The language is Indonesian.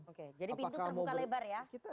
jadi pintu terbuka lebar ya